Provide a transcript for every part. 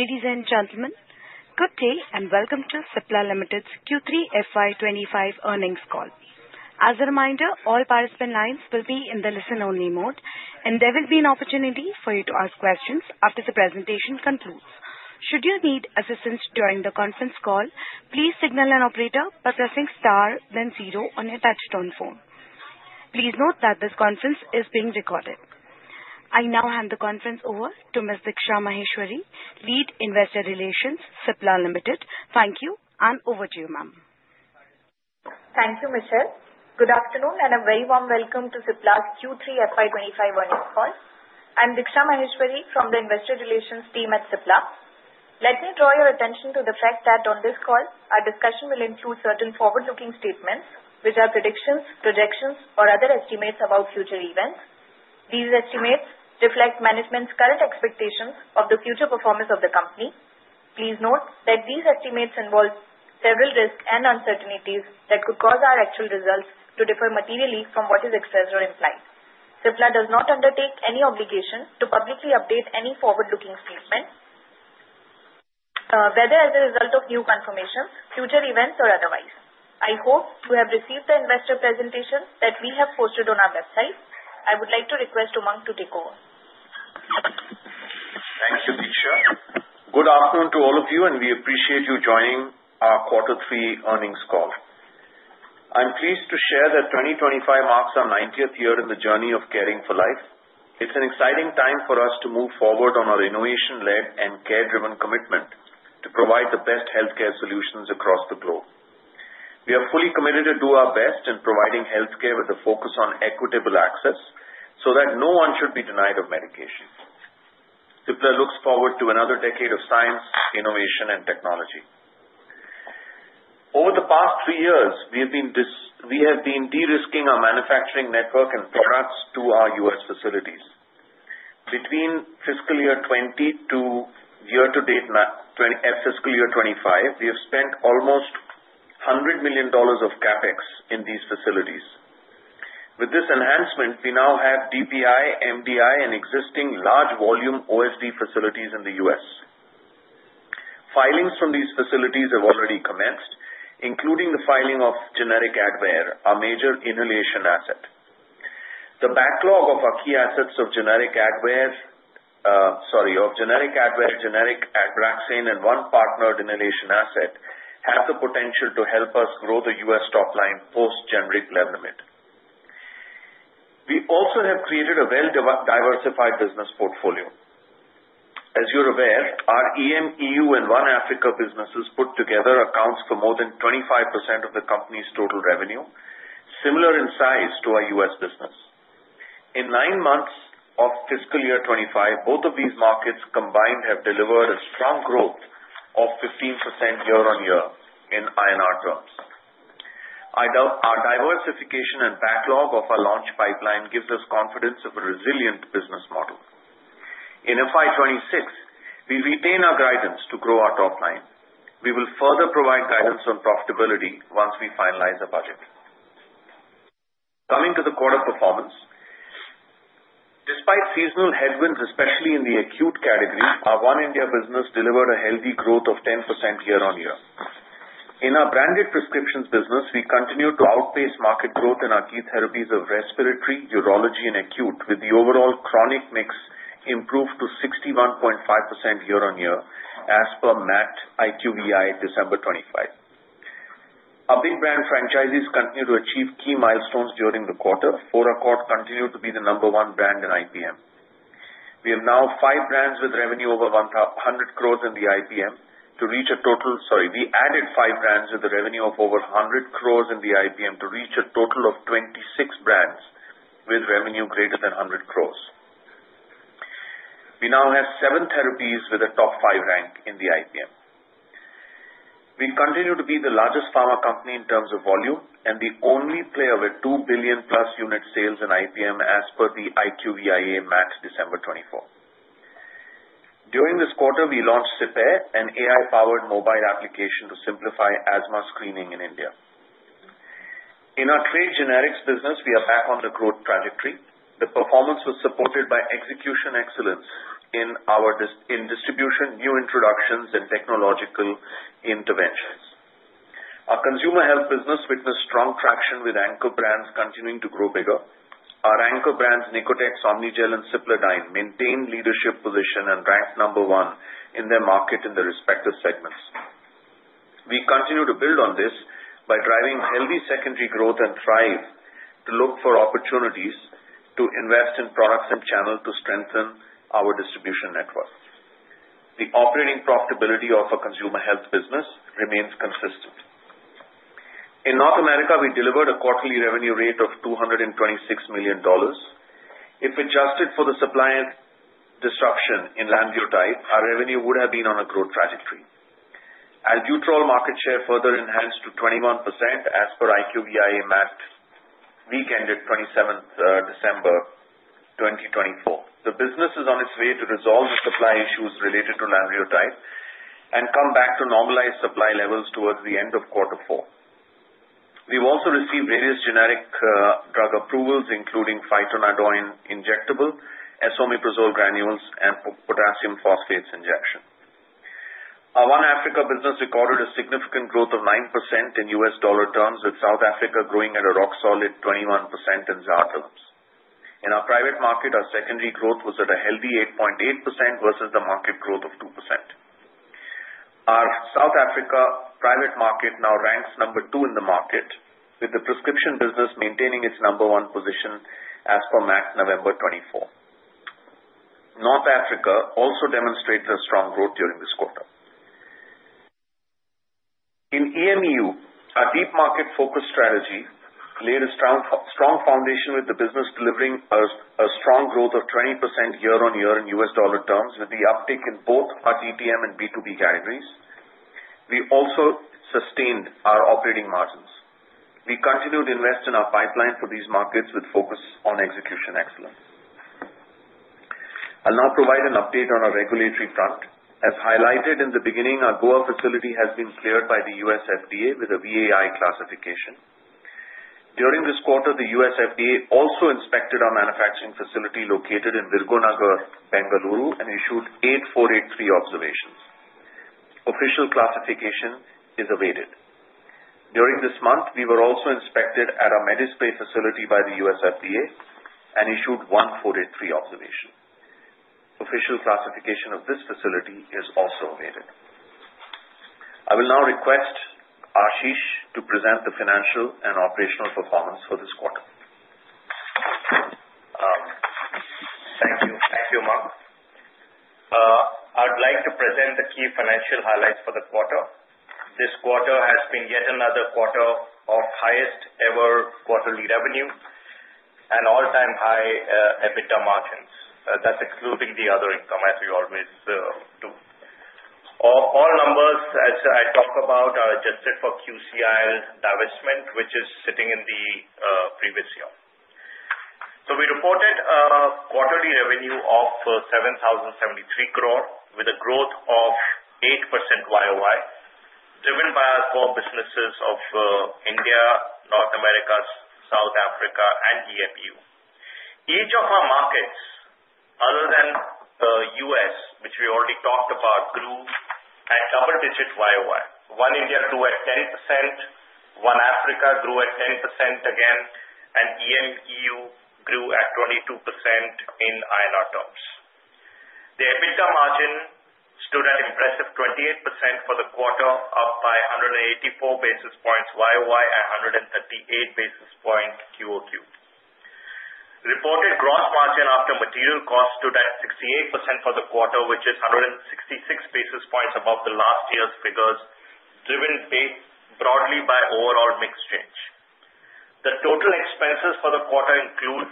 Ladies and gentlemen, good day and welcome to Cipla Limited's Q3 FY25 earnings call. As a reminder, all participant lines will be in the listen-only mode, and there will be an opportunity for you to ask questions after the presentation concludes. Should you need assistance during the conference call, please signal an operator by pressing star then zero on your touchtone phone. Please note that this conference is being recorded. I now hand the conference over to Ms. Diksha Maheshwari, Lead Investor Relations, Cipla Limited. Thank you, and over to you, ma'am. Thank you, Michelle. Good afternoon and a very warm welcome to Cipla's Q3 FY25 earnings call. I'm Diksha Maheshwari from the Investor Relations team at Cipla. Let me draw your attention to the fact that on this call, our discussion will include certain forward-looking statements, which are predictions, projections, or other estimates about future events. These estimates reflect management's current expectations of the future performance of the company. Please note that these estimates involve several risks and uncertainties that could cause our actual results to differ materially from what is expressed or implied. Cipla does not undertake any obligation to publicly update any forward-looking statement, whether as a result of new confirmations, future events, or otherwise. I hope you have received the investor presentation that we have posted on our website. I would like to request Umang to take over. Thank you, Diksha. Good afternoon to all of you, and we appreciate you joining our Quarter Three earnings call. I'm pleased to share that 2025 marks our 90th year in the journey of Caring for Life. It's an exciting time for us to move forward on our innovation-led and care-driven commitment to provide the best healthcare solutions across the globe. We are fully committed to doing our best in providing healthcare with a focus on equitable access so that no one should be denied medication. Cipla looks forward to another decade of science, innovation, and technology. Over the past three years, we have been de-risking our manufacturing network and products to our U.S. facilities. Between fiscal year 2020 to year-to-date fiscal year 2025, we have spent almost $100 million of CapEx in these facilities. With this enhancement, we now have DPI, MDI, and existing large-volume OSD facilities in the U.S. Filings from these facilities have already commenced, including the filing of generic Advair, our major inhalation asset. The backlog of our key assets of generic Advair, generic Abraxane, and one partnered inhalation asset has the potential to help us grow the U.S. top line post-generic Revlimid. We also have created a well-diversified business portfolio. As you're aware, our EM & EU and One Africa businesses put together account for more than 25% of the company's total revenue, similar in size to our U.S. business. In nine months of fiscal year 2025, both of these markets combined have delivered a strong growth of 15% year-on-year in INR terms. Our diversification and backlog of our launch pipeline gives us confidence of a resilient business model. In FY 2026, we retain our guidance to grow our top line. We will further provide guidance on profitability once we finalize our budget. Coming to the quarter performance, despite seasonal headwinds, especially in the acute category, our One India business delivered a healthy growth of 10% year-on-year. In our branded prescriptions business, we continue to outpace market growth in our key therapies of respiratory, urology, and acute, with the overall chronic mix improved to 61.5% year-on-year as per MAT IQVIA December 2025. Our big brand franchisees continue to achieve key milestones during the quarter. Foracort continued to be the number one brand in IPM. We have now five brands with revenue over 100 crores in the IPM to reach a total—sorry, we added five brands with a revenue of over 100 crores in the IPM to reach a total of 26 brands with revenue greater than 100 crores. We now have seven therapies with a top five rank in the IPM. We continue to be the largest pharma company in terms of volume and the only player with 2 billion-plus unit sales in IPM as per the IQVIA MAT December 2024. During this quarter, we launched Cipla, an AI-powered mobile application to simplify asthma screening in India. In our trade generics business, we are back on the growth trajectory. The performance was supported by execution excellence in distribution, new introductions, and technological interventions. Our consumer health business witnessed strong traction with Anker brands continuing to grow bigger. Our Anker brands, Nicotex, Omnigel, and Cipladine, maintained leadership positions and ranked number one in their market in their respective segments. We continue to build on this by driving healthy secondary growth and strive to look for opportunities to invest in products and channels to strengthen our distribution network. The operating profitability of our consumer health business remains consistent. In North America, we delivered a quarterly revenue rate of $226 million. If adjusted for the supplier disruption in lanreotide, our revenue would have been on a growth trajectory. Our Albuterol market share further enhanced to 21% as per IQVIA MAT week-ended 27th December 2024. The business is on its way to resolve the supply issues related to lanreotide and come back to normalized supply levels towards the end of Quarter Four. We've also received various generic drug approvals, including Phytonadione injectable, esomeprazole granules, and potassium phosphate injection. Our One Africa business recorded a significant growth of 9% in USD terms, with South Africa growing at a rock-solid 21% in ZAR terms. In our private market, our secondary growth was at a healthy 8.8% versus the market growth of 2%. Our South Africa private market now ranks number two in the market, with the prescription business maintaining its number one position as per MAT November 2024. North Africa also demonstrated a strong growth during this quarter. In EMEU, our deep market-focused strategy laid a strong foundation with the business delivering a strong growth of 20% year-on-year in U.S. dollar terms, with the uptake in both our DTM and B2B categories. We also sustained our operating margins. We continued to invest in our pipeline for these markets with focus on execution excellence. I'll now provide an update on our regulatory front. As highlighted in the beginning, our Goa facility has been cleared by the U.S. FDA with a VAI classification. During this quarter, the U.S. FDA also inspected our manufacturing facility located in Virgonagar, Bengaluru, and issued Form 483 observations. Official classification is awaited. During this month, we were also inspected at our MDI facility by the U.S. FDA and issued Form 483 observations. Official classification of this facility is also awaited. I will now request Ashish to present the financial and operational performance for this quarter. Thank you. Thank you, Umang. I'd like to present the key financial highlights for the quarter. This quarter has been yet another quarter of highest-ever quarterly revenue and all-time high EBITDA margins. That's excluding the other income, as we always do. All numbers I talked about are adjusted for QCIL divestment, which is sitting in the previous year. So we reported a quarterly revenue of 7,073 crore, with a growth of 8% YOY, driven by our core businesses of India, North America, South Africa, and EMEU. Each of our markets, other than the US, which we already talked about, grew at double-digit YOY. One India grew at 10%, One Africa grew at 10% again, and EMEU grew at 22% in INR terms. The EBITDA margin stood at impressive 28% for the quarter, up by 184 basis points YOY and 138 basis points QOQ. Reported gross margin after material costs stood at 68% for the quarter, which is 166 basis points above the last year's figures, driven broadly by overall mixed change. The total expenses for the quarter include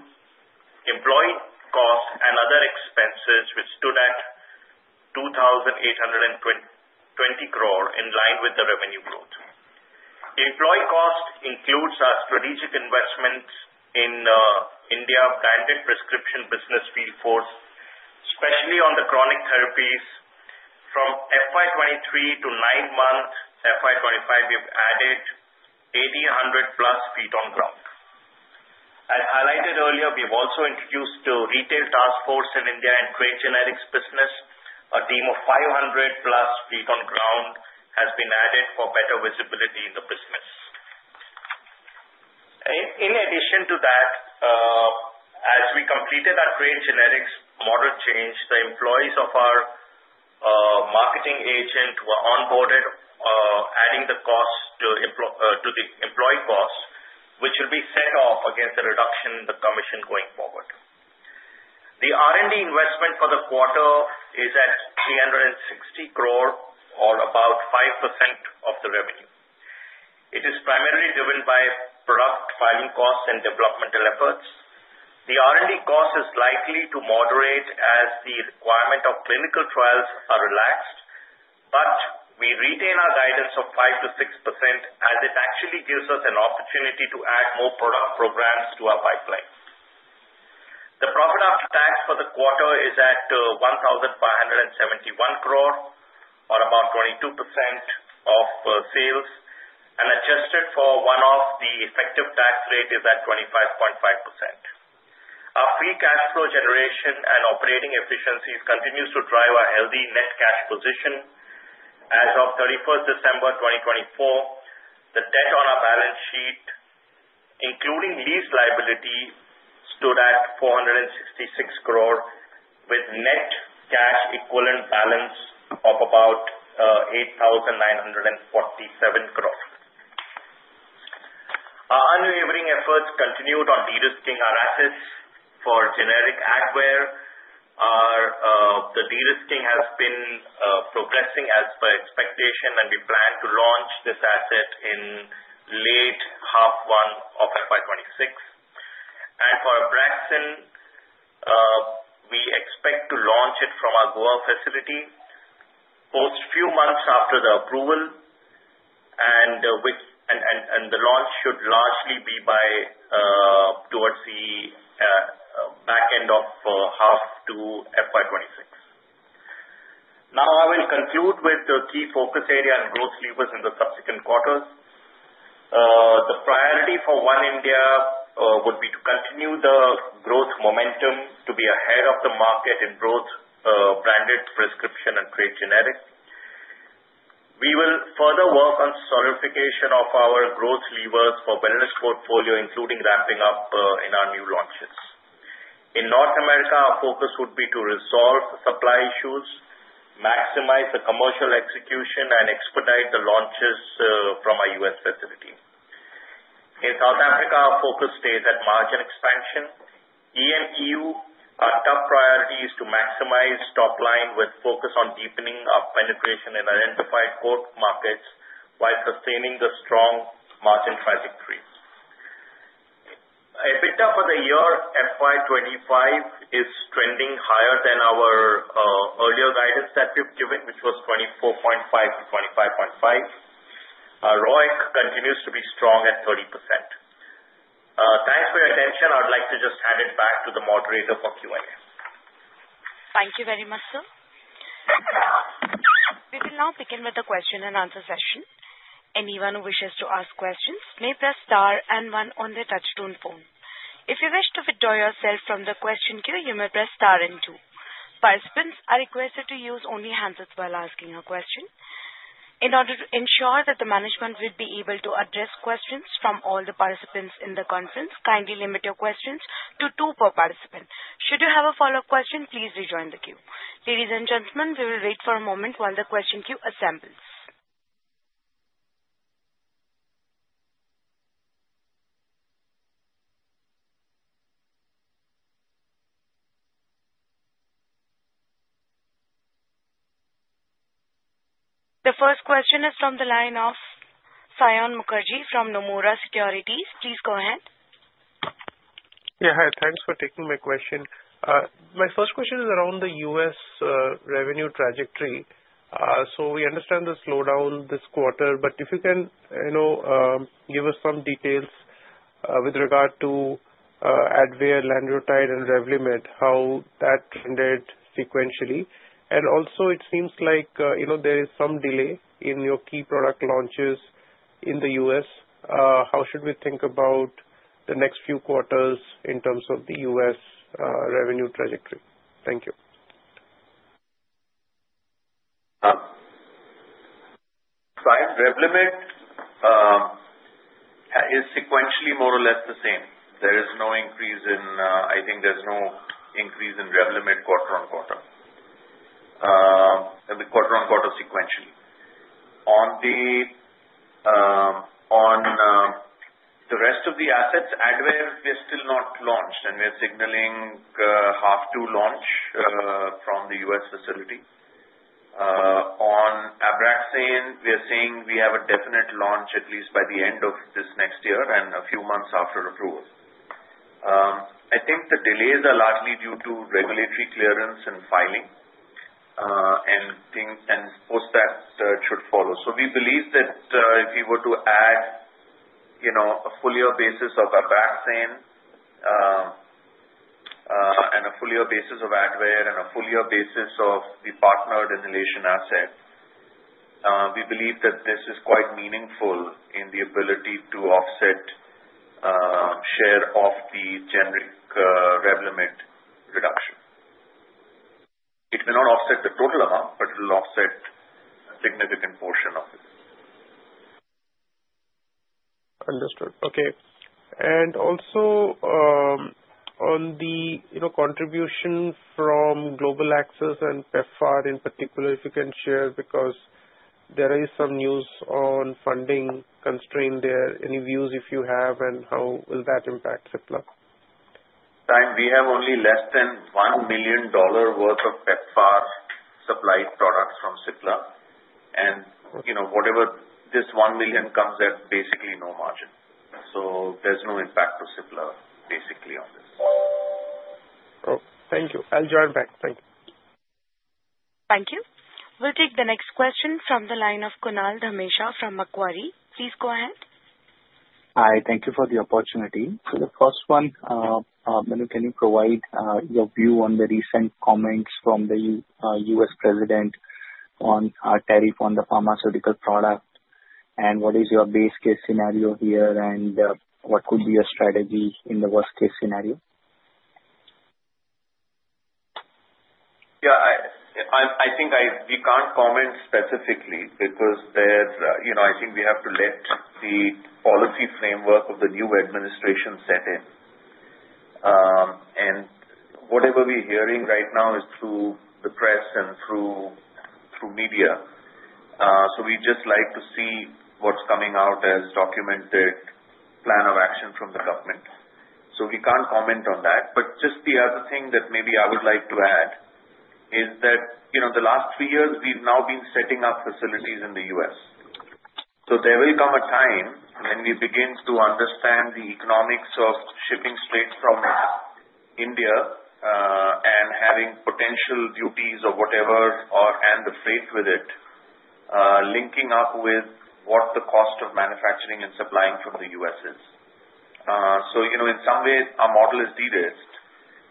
employee costs and other expenses, which stood at 2,820 crore, in line with the revenue growth. Employee costs include our strategic investments in India-branded prescription business field force, especially on the chronic therapies. From FY23 to nine-month FY25, we have added 1,800-plus feet on ground. As highlighted earlier, we have also introduced a retail task force in India and trade generics business. A team of 500-plus feet on ground has been added for better visibility in the business. In addition to that, as we completed our trade generics model change, the employees of our marketing agent were onboarded, adding the cost to the employee cost, which will be set off against the reduction in the commission going forward. The R&D investment for the quarter is at 360 crore, or about 5% of the revenue. It is primarily driven by product filing costs and developmental efforts. The R&D cost is likely to moderate as the requirement of clinical trials is relaxed, but we retain our guidance of 5%-6% as it actually gives us an opportunity to add more product programs to our pipeline. The profit after tax for the quarter is at 1,571 crore, or about 22% of sales, and adjusted for one-off, the effective tax rate is at 25.5%. Our free cash flow generation and operating efficiencies continue to drive our healthy net cash position. As of 31st December 2024, the debt on our balance sheet, including lease liability, stood at 466 crore, with net cash equivalent balance of about INR 8,947 crore. Our unwavering efforts continued on de-risking our assets for generic Advair. The de-risking has been progressing as per expectation, and we plan to launch this asset in late half one of FY26. And for Abraxane, we expect to launch it from our Goa facility post few months after the approval, and the launch should largely be towards the back end of half to FY26. Now, I will conclude with the key focus area and growth levers in the subsequent quarters. The priority for One India would be to continue the growth momentum, to be ahead of the market in both branded prescription and trade generics. We will further work on solidification of our growth levers for wellness portfolio, including ramping up in our new launches. In North America, our focus would be to resolve supply issues, maximize the commercial execution, and expedite the launches from our US facility. In South Africa, our focus stays at margin expansion. EMEU are top priorities to maximize top line with focus on deepening our penetration in identified core markets while sustaining the strong margin trajectory. EBITDA for the year FY25 is trending higher than our earlier guidance that we've given, which was 24.5%-25.5%. ROIC continues to be strong at 30%. Thanks for your attention. I'd like to just hand it back to the moderator for Q&A. Thank you very much, sir. We will now begin with the question-and-answer session. Anyone who wishes to ask questions may press star and one on the touchscreen phone. If you wish to withdraw yourself from the question queue, you may press star and two. Participants are requested to use only hands while asking a question. In order to ensure that the management will be able to address questions from all the participants in the conference, kindly limit your questions to two per participant. Should you have a follow-up question, please rejoin the queue. Ladies and gentlemen, we will wait for a moment while the question queue assembles. The first question is from the line of Saion Mukherjee from Nomura Securities. Please go ahead. Yeah, hi. Thanks for taking my question. My first question is around the US revenue trajectory. So we understand the slowdown this quarter, but if you can give us some details with regard to Advair, Lanreotide, and Revlimid, how that ended sequentially. And also, it seems like there is some delay in your key product launches in the US. How should we think about the next few quarters in terms of the US revenue trajectory? Thank you. Revlimid is sequentially more or less the same. There is no increase in—I think there's no increase in Revlimid quarter on quarter. Quarter on quarter sequentially. On the rest of the assets, Advair is still not launched, and we're signaling set to launch from the U.S. facility. On Abraxane, we are saying we have a definite launch at least by the end of this next year and a few months after approval. I think the delays are largely due to regulatory clearance and filing, and post that should follow. We believe that if we were to add a fuller basis of Abraxane and a fuller basis of Advair and a fuller basis of the partnered inhalation asset, we believe that this is quite meaningful in the ability to offset share of the generic Revlimid reduction. It will not offset the total amount, but it will offset a significant portion of it. Understood. Okay. And also, on the contribution from Global Access and PEPFAR in particular, if you can share, because there is some news on funding constraint there. Any views if you have, and how will that impact Cipla? Time, we have only less than $1 million worth of PEPFAR-supplied products from Cipla, and whatever this $1 million comes at, basically no margin. So there's no impact to Cipla, basically, on this. Oh, thank you. I'll join back. Thank you. Thank you. We'll take the next question from the line of Kunal Dhamesha from Macquarie. Please go ahead. Hi. Thank you for the opportunity. So the first one, can you provide your view on the recent comments from the U.S. President on tariff on the pharmaceutical product, and what is your base case scenario here, and what could be your strategy in the worst-case scenario? Yeah. I think we can't comment specifically because I think we have to let the policy framework of the new administration set in, and whatever we're hearing right now is through the press and through media, so we'd just like to see what's coming out as documented plan of action from the government, so we can't comment on that, but just the other thing that maybe I would like to add is that the last three years, we've now been setting up facilities in the U.S. So there will come a time when we begin to understand the economics of shipping straight from India and having potential duties or whatever and the freight with it linking up with what the cost of manufacturing and supplying from the U.S. is. So in some ways, our model is de-risked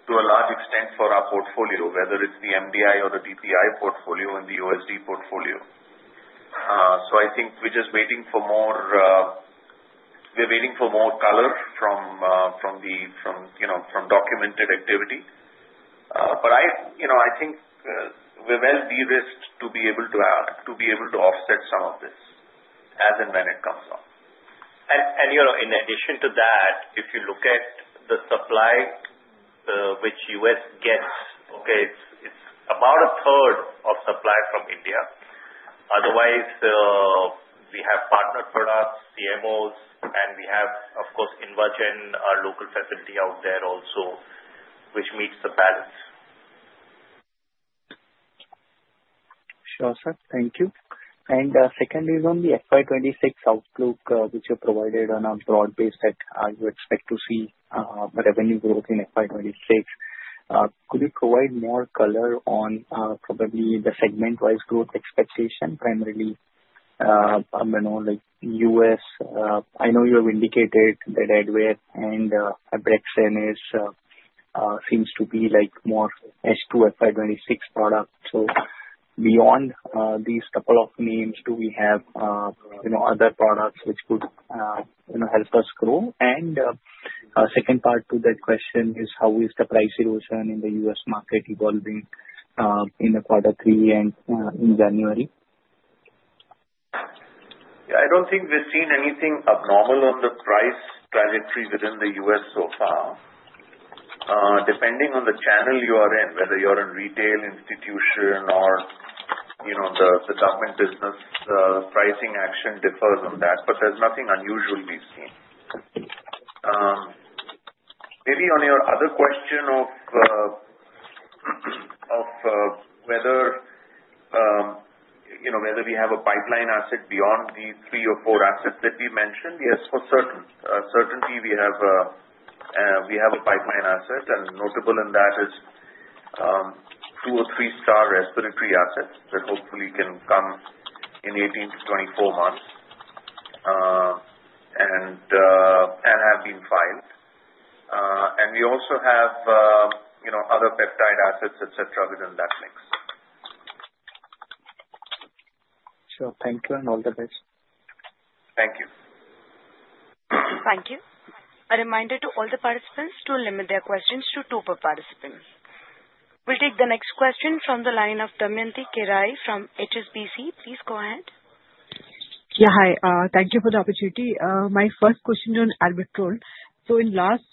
to a large extent for our portfolio, whether it's the MDI or the DPI portfolio and the OSD portfolio. So I think we're just waiting for more, we're waiting for more color from the documented activity. But I think we're well de-risked to be able to offset some of this, as and when it comes up. And in addition to that, if you look at the supply which U.S. gets, okay, it's about a third of supply from India. Otherwise, we have partnered products, CMOs, and we have, of course, InvaGen local facility out there also, which meets the balance. Sure, sir. Thank you. And second is on the FY26 outlook, which you provided on a broad base, that you expect to see revenue growth in FY26. Could you provide more color on probably the segment-wise growth expectation, primarily US? I know you have indicated that Advair and Abraxane seems to be more H2 FY26 product. So beyond these couple of names, do we have other products which could help us grow? And second part to that question is, how is the price erosion in the US market evolving in the quarter three and in January? Yeah. I don't think we've seen anything abnormal on the price trajectory within the U.S. so far. Depending on the channel you are in, whether you're in retail, institutional or the government business, pricing action differs on that, but there's nothing unusual we've seen. Maybe on your other question of whether we have a pipeline asset beyond the three or four assets that we mentioned, yes, for certain. Certainly, we have a pipeline asset, and notable in that is two or three star respiratory assets that hopefully can come in 18 to 24 months and have been filed, and we also have other peptide assets, etc., within that mix. Sure. Thank you and all the best. Thank you. Thank you. A reminder to all the participants to limit their questions to two per participant. We'll take the next question from the line of Damayanti Kerai from HSBC. Please go ahead. Yeah, hi. Thank you for the opportunity. My first question on Albuterol. So in the last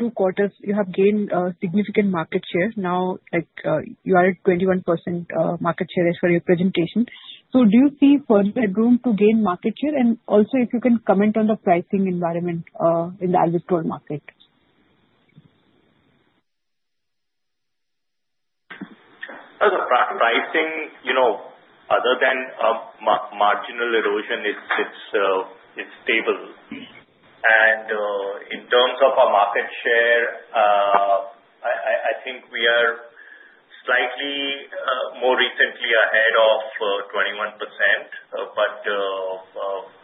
two quarters, you have gained significant market share. Now, you are at 21% market share as per your presentation. So do you see further room to gain market share? And also, if you can comment on the pricing environment in the Albuterol market. Pricing, other than marginal erosion, it's stable, and in terms of our market share, I think we are slightly more recently ahead of 21%, but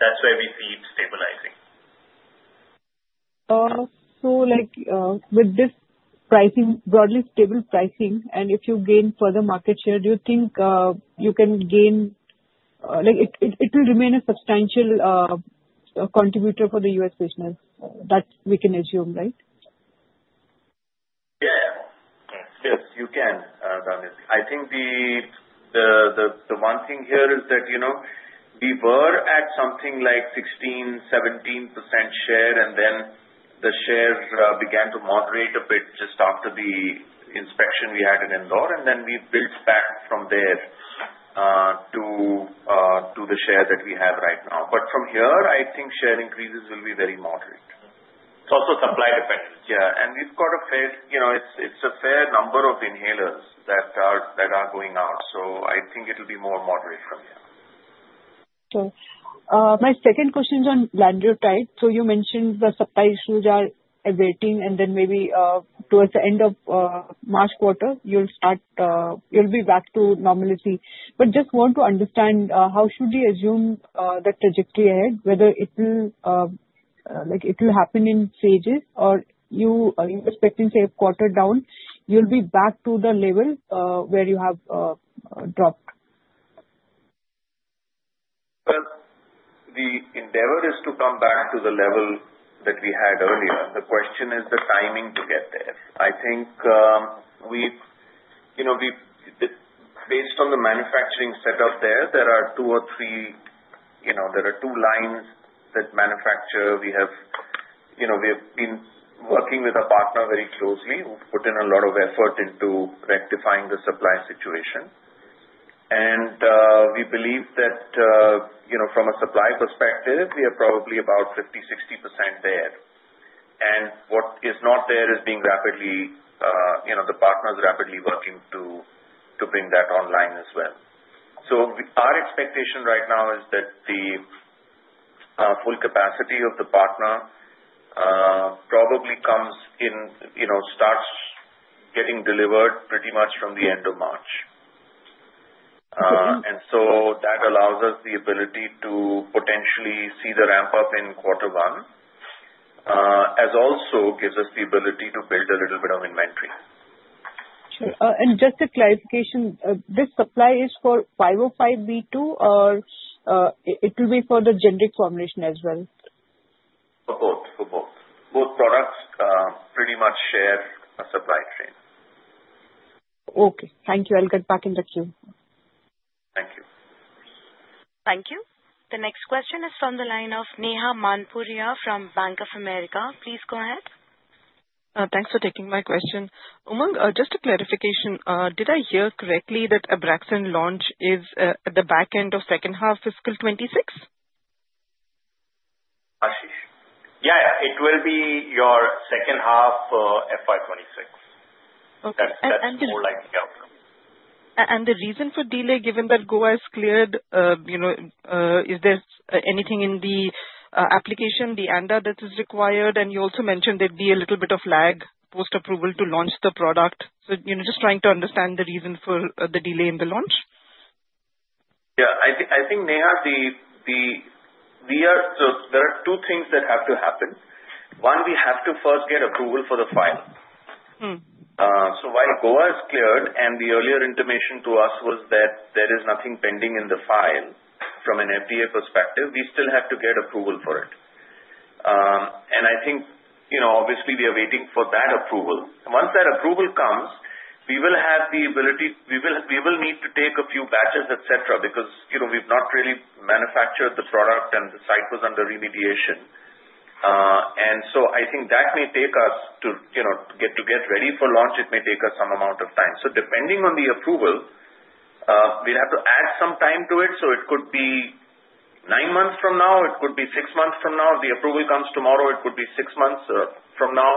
that's where we see it stabilizing. So with this broadly stable pricing, and if you gain further market share, do you think you can gain it will remain a substantial contributor for the US business? That we can assume, right? Yeah. Yes, you can, Damyanti. I think the one thing here is that we were at something like 16%-17% share, and then the share began to moderate a bit just after the inspection we had in Indore, and then we built back from there to the share that we have right now. But from here, I think share increases will be very moderate. It's also supply dependent. Yeah. And we've got a fair number of inhalers that are going out, so I think it'll be more moderate from here. Sure. My second question is on Lanreotide. So you mentioned the supply issues are abating, and then maybe towards the end of March quarter, you'll be back to normalcy. But just want to understand, how should we assume the trajectory ahead, whether it will happen in phases, or you are expecting, say, a quarter down, you'll be back to the level where you have dropped? The endeavor is to come back to the level that we had earlier. The question is the timing to get there. I think based on the manufacturing setup there, there are two lines that manufacture. We have been working with a partner very closely. We've put in a lot of effort into rectifying the supply situation. And we believe that from a supply perspective, we are probably about 50%-60% there. And what is not there, the partner is rapidly working to bring that online as well. Our expectation right now is that the full capacity of the partner probably starts getting delivered pretty much from the end of March. And so that allows us the ability to potentially see the ramp-up in quarter one, as also gives us the ability to build a little bit of inventory. Sure. And just a clarification, this supply is for 505(b)(2), or it will be for the generic formulation as well? For both. For both. Both products pretty much share a supply chain. Okay. Thank you. I'll get back in the queue. Thank you. Thank you. The next question is from the line of Neha Manpuria from Bank of America. Please go ahead. Thanks for taking my question. Umang, just a clarification. Did I hear correctly that Abraxane launch is at the back end of second half fiscal 26? Yeah. It will be your second half FY26. That's more likely outcome. And the reason for delay, given that Goa has cleared, is there anything in the application, the ANDA, that is required? And you also mentioned there'd be a little bit of lag post-approval to launch the product. So just trying to understand the reason for the delay in the launch. Yeah. I think, Neha, we are so there are two things that have to happen. One, we have to first get approval for the file. So while Goa has cleared, and the earlier information to us was that there is nothing pending in the file from an FDA perspective, we still have to get approval for it, and I think, obviously, we are waiting for that approval. Once that approval comes, we will have the ability we will need to take a few batches, etc., because we've not really manufactured the product, and the site was under remediation, and so I think that may take us to get ready for launch. It may take us some amount of time. So depending on the approval, we'll have to add some time to it, so it could be nine months from now. It could be six months from now. If the approval comes tomorrow, it could be six months from now.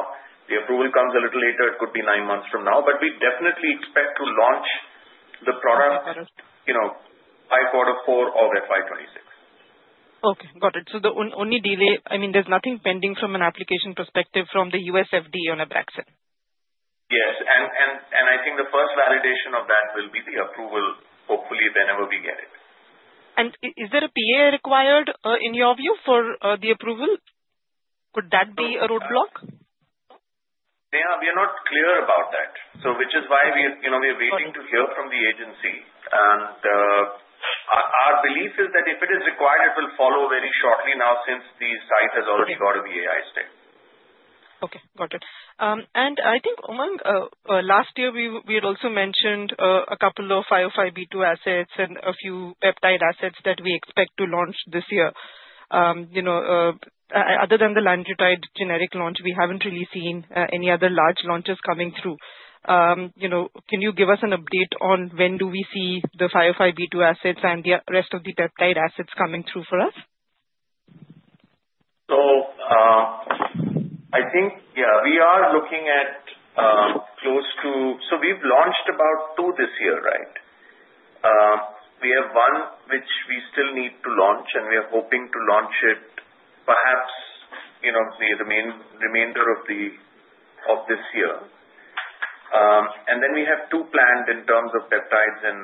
If the approval comes a little later, it could be nine months from now. But we definitely expect to launch the product by quarter four of FY26. Okay. Got it. So the only delay I mean, there's nothing pending from an application perspective from the U.S. FDA on Abraxane? Yes. And I think the first validation of that will be the approval, hopefully, whenever we get it. Is there a PAI required, in your view, for the approval? Could that be a roadblock? Neha, we are not clear about that, which is why we are waiting to hear from the agency, and our belief is that if it is required, it will follow very shortly now since the site has already got a VAI stay. Okay. Got it. And I think, Umang, last year, we had also mentioned a couple of 505(b)(2) assets and a few peptide assets that we expect to launch this year. Other than the Lanreotide generic launch, we haven't really seen any other large launches coming through. Can you give us an update on when do we see the 505(b)(2) assets and the rest of the peptide assets coming through for us? So I think, yeah, we are looking at close to so we've launched about two this year, right? We have one, which we still need to launch, and we are hoping to launch it perhaps near the remainder of this year. And then we have two planned in terms of peptides in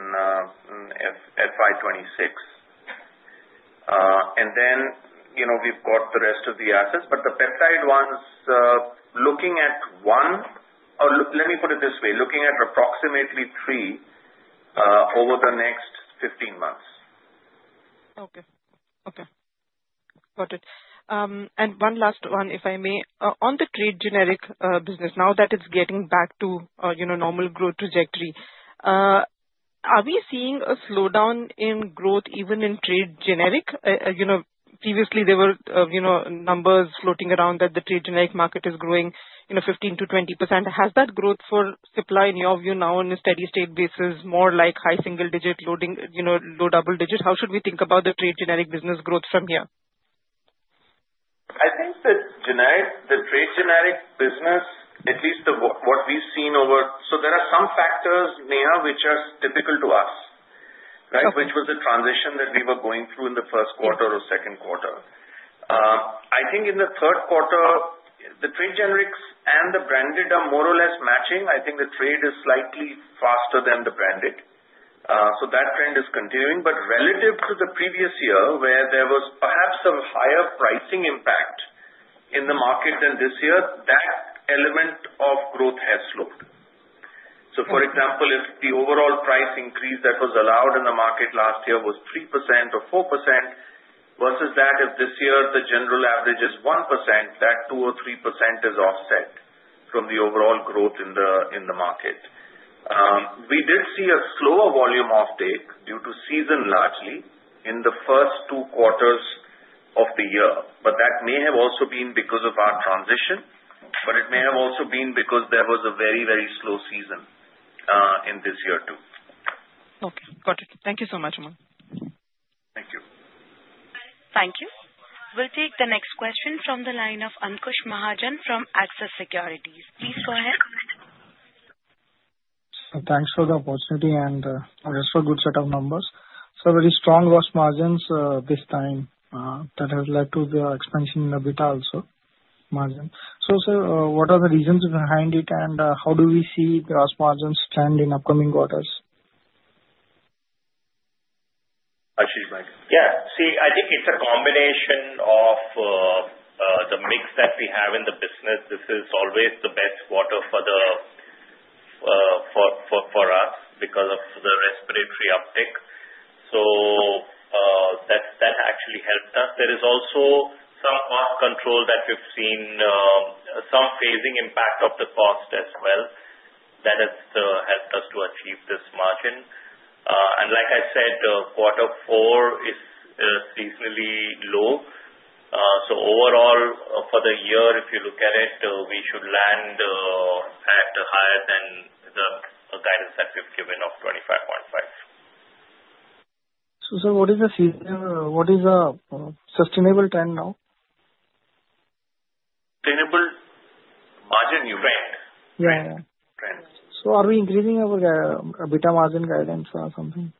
FY26. And then we've got the rest of the assets. But the peptide ones, looking at one or let me put it this way, looking at approximately three over the next 15 months. Okay. Okay. Got it. And one last one, if I may. On the trade generic business, now that it's getting back to normal growth trajectory, are we seeing a slowdown in growth even in trade generic? Previously, there were numbers floating around that the trade generic market is growing 15%-20%. Has that growth for supply, in your view, now on a steady-state basis, more like high single-digit loading, low double-digit? How should we think about the trade generic business growth from here? I think that the trade generic business, at least what we've seen. So there are some factors, Neha, which are typical to us, right, which was the transition that we were going through in the first quarter or second quarter. I think in the third quarter, the trade generics and the branded are more or less matching. I think the trade is slightly faster than the branded. That trend is continuing. But relative to the previous year, where there was perhaps a higher pricing impact in the market than this year, that element of growth has slowed. For example, if the overall price increase that was allowed in the market last year was 3% or 4% versus that, if this year the general average is 1%, that 2% or 3% is offset from the overall growth in the market. We did see a slower volume offtake due to season largely in the first two quarters of the year. But that may have also been because of our transition, but it may have also been because there was a very, very slow season in this year too. Okay. Got it. Thank you so much, Umang. Thank you. Thank you. We'll take the next question from the line of Ankush Mahajan from Axis Securities. Please go ahead. Thanks for the opportunity, and just for a good set of numbers, so very strong gross margins this time that has led to the expansion in the EBITDA also margin, so what are the reasons behind it, and how do we see the gross margins trend in upcoming quarters? Excuse me. Yeah. See, I think it's a combination of the mix that we have in the business. This is always the best quarter for us because of the respiratory uptake. So that actually helped us. There is also some cost control that we've seen, some phasing impact of the cost as well that has helped us to achieve this margin. And like I said, quarter four is seasonally low. So overall, for the year, if you look at it, we should land at higher than the guidance that we've given of 25.5. So, what is the seasonal? What is the sustainable trend now? Sustainable margin trend. Right. So are we increasing our EBITDA margin guidance or something?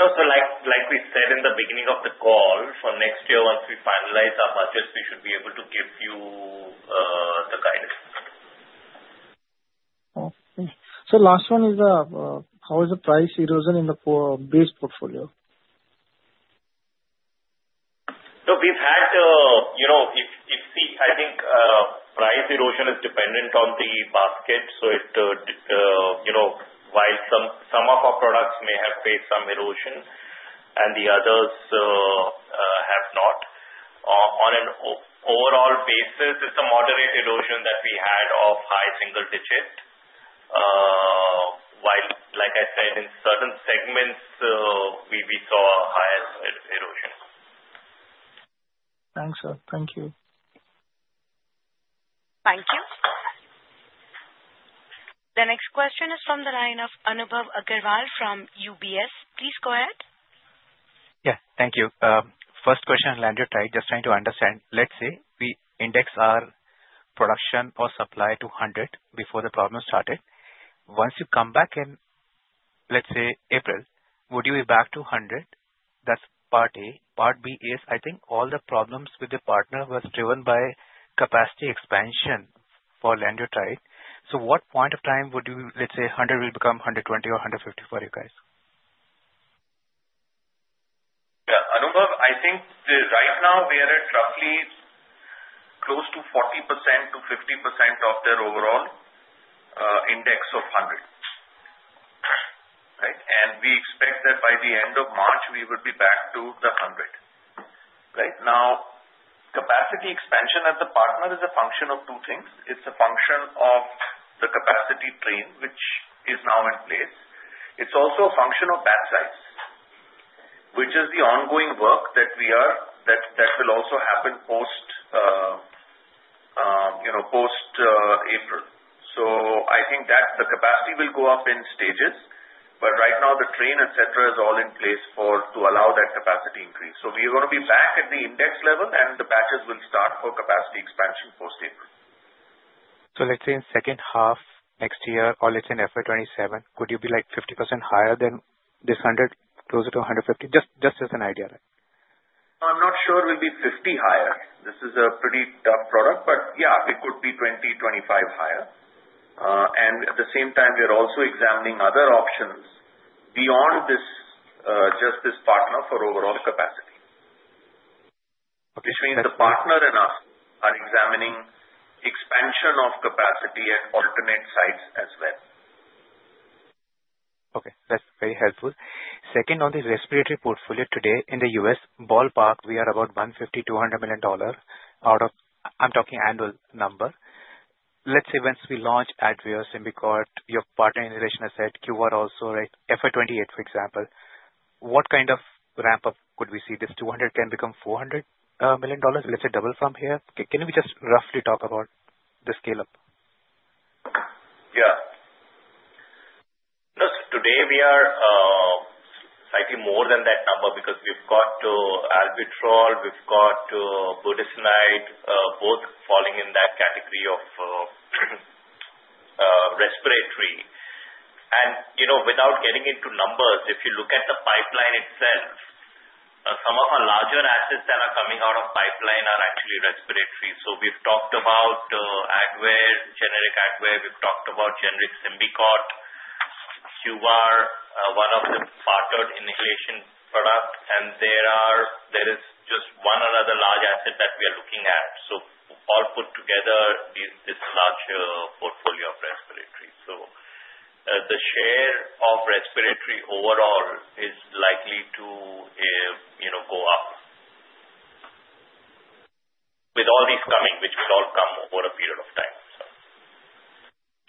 So like we said in the beginning of the call, for next year, once we finalize our budgets, we should be able to give you the guidance. Okay. So last one is, how is the price erosion in the base portfolio? So, if I think, price erosion is dependent on the basket. So while some of our products may have faced some erosion and the others have not, on an overall basis, it's a moderate erosion that we had of high single-digit. While, like I said, in certain segments, we saw higher erosion. Thanks, sir. Thank you. Thank you. The next question is from the line of Anubhav Agarwal from UBS. Please go ahead. Yeah. Thank you. First question on Lanreotide, just trying to understand. Let's say we index our production or supply to 100 before the problem started. Once you come back in, let's say, April, would you be back to 100? That's part A. Part B is, I think, all the problems with the partner was driven by capacity expansion for Lanreotide. So what point of time would you, let's say, 100 will become 120 or 150 for you guys? Yeah. Anubhav, I think right now we are at roughly close to 40%-50% of their overall index of 100, right? And we expect that by the end of March, we will be back to the 100, right? Now, capacity expansion at the partner is a function of two things. It's a function of the capacity train, which is now in place. It's also a function of batch size, which is the ongoing work that will also happen post-April. So I think that the capacity will go up in stages. But right now, the train, etc., is all in place to allow that capacity increase. So we are going to be back at the index level, and the batches will start for capacity expansion post-April. So let's say in second half next year, or let's say in FY27, could you be like 50% higher than this 100, closer to 150? Just as an idea, right? I'm not sure we'll be 50 higher. This is a pretty tough product. But yeah, it could be 20, 25 higher. And at the same time, we are also examining other options beyond just this partner for overall capacity. Between the partner and us, we are examining expansion of capacity at alternate sites as well. Okay. That's very helpful. Second, on the respiratory portfolio today, in the US, ballpark, we are about $150-$200 million. I'm talking annual number. Let's say once we launch Advair, Symbicort, your partner in relation to said QVAR also, right? FY28, for example, what kind of ramp-up could we see? This $200 million can become $400 million, let's say double from here? Can we just roughly talk about the scale-up? Yeah. Look, today we are slightly more than that number because we've got to Albuterol, we've got Budesonide, both falling in that category of respiratory. And without getting into numbers, if you look at the pipeline itself, some of our larger assets that are coming out of pipeline are actually respiratory. So we've talked about Advair, generic Advair. We've talked about generic Symbicort, QVAR, one of the partnered inhalation products. And there is just one or other large asset that we are looking at. So all put together, this large portfolio of respiratory. So the share of respiratory overall is likely to go up with all these coming, which will all come over a period of time,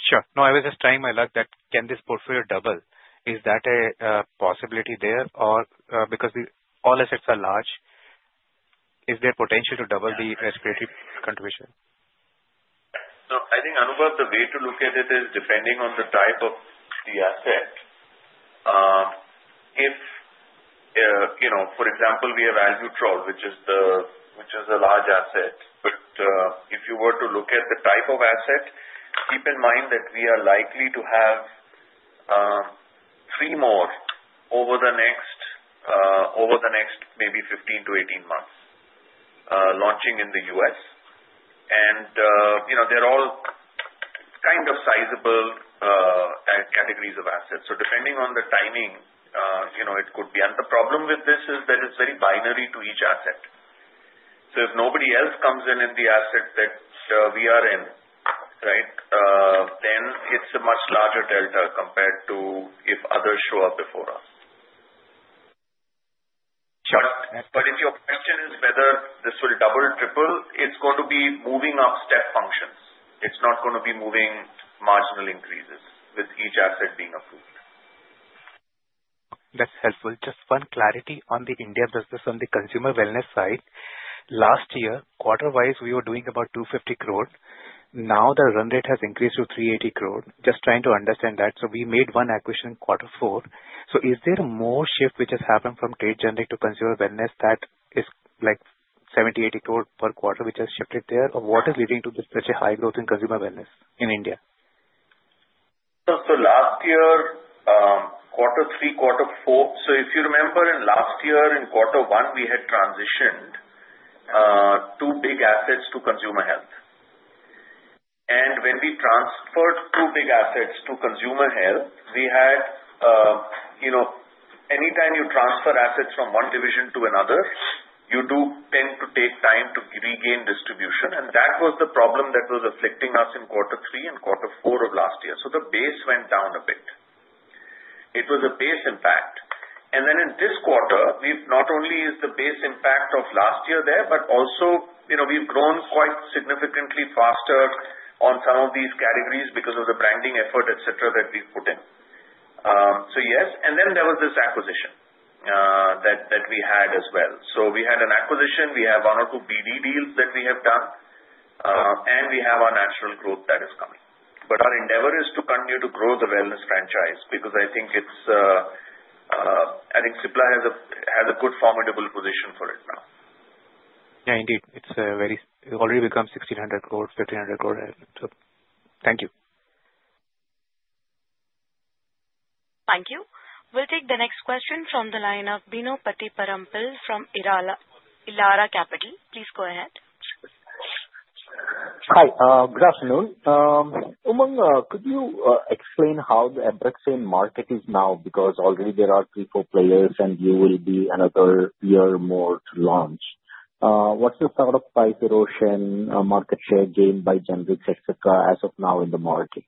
so. Sure. No, I was just trying my luck that can this portfolio double? Is that a possibility there? Or because all assets are large, is there potential to double the respiratory contribution? So I think, Anubhav, the way to look at it is depending on the type of the asset. If, for example, we have Albuterol, which is a large asset, but if you were to look at the type of asset, keep in mind that we are likely to have three more over the next maybe 15-18 months launching in the U.S. And they're all kind of sizable categories of assets. So depending on the timing, it could be, and the problem with this is that it's very binary to each asset. So if nobody else comes in in the asset that we are in, right, then it's a much larger delta compared to if others show up before us. But if your question is whether this will double, triple, it's going to be moving up step functions. It's not going to be moving marginal increases with each asset being approved. That's helpful. Just one clarity on the India business, on the consumer wellness side. Last year, quarter-wise, we were doing about 250 crore. Now the run rate has increased to 380 crore. Just trying to understand that. So we made one acquisition in quarter four. So is there more shift which has happened from trade generic to consumer wellness that is like 70 crore-80 crore per quarter which has shifted there? Or what is leading to such a high growth in consumer wellness in India? So last year, quarter three, quarter four. So if you remember, in last year, in quarter one, we had transitioned two big assets to consumer health. And when we transferred two big assets to consumer health, we had anytime you transfer assets from one division to another, you do tend to take time to regain distribution. And that was the problem that was afflicting us in quarter three and quarter four of last year. So the base went down a bit. It was a base impact. And then in this quarter, not only is the base impact of last year there, but also we've grown quite significantly faster on some of these categories because of the branding effort, etc., that we've put in. So yes. And then there was this acquisition that we had as well. So we had an acquisition. We have one or two BD deals that we have done. And we have our natural growth that is coming. But our endeavor is to continue to grow the wellness franchise because I think it's Cipla has a good formidable position for it now. Yeah, indeed. It's already become 1,600 crore, 1,500 crore. Thank you. Thank you. We'll take the next question from the line of Bino Pathiparampil from Elara Capital. Please go ahead. Hi. Good afternoon. Umang, could you explain how the Abraxane market is now? Because already there are three, four players, and you will be another year more to launch. What's your thought of price erosion, market share gain by generics, etc., as of now in the market?